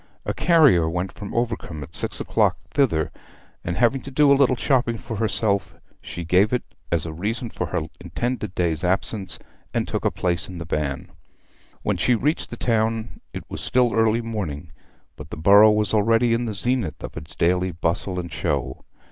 A carrier went from Overcombe at six o'clock thither, and having to do a little shopping for herself she gave it as a reason for her intended day's absence, and took a place in the van. When she reached the town it was still early morning, but the borough was already in the zenith of its daily bustle and show.